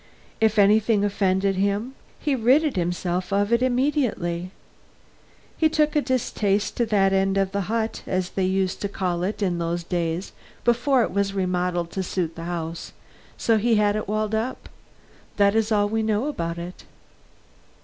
If anything offended him, he rid himself of it immediately. He took a distaste to that end of the hut, as they used to call it in the old days before it was remodeled to suit the house, so he had it walled up. That is all we know about it."